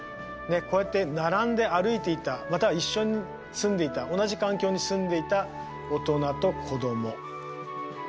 こうやって並んで歩いていたまたは一緒に住んでいた同じ環境に住んでいた大人と子供。